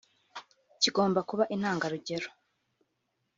kigomba kuba intangarugero